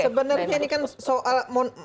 sebenarnya ini kan soal